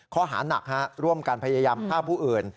เค้าหาหนักร่วมกันพยายามภาพผู้อื่น